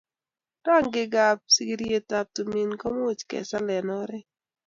rangikab sigiryet tumin komuch kesal eng oret